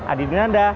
adi dengan anda